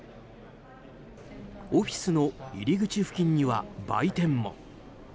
オフィスの入り口付近には売店も。